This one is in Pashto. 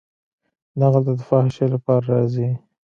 دلته د فحاشۍ لپاره راځي.